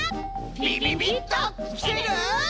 びびびっときてる？